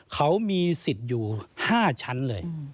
เขามีสิทธิ์อยู่๕ชั้นเลย